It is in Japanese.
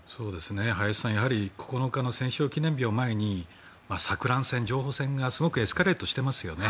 林さん、やはり９日の戦勝記念日を前に錯乱戦、情報戦がすごくエスカレートしてますよね。